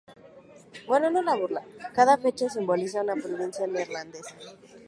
Cada flecha simboliza una provincia neerlandesa.